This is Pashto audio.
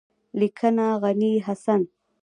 لیکنه: غني حسن